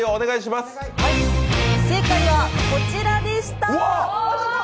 正解はこちらでした。